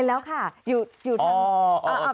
เห็นแล้วค่ะอยู่ทั้ง